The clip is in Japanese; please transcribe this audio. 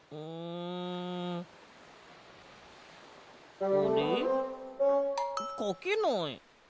あれ？かけない。